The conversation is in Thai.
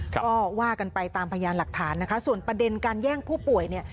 ก็ว่ากันไปตามพยานหลักฐานนะคะส่วนประเด็นการแย่งผู้ป่วยเนี่ย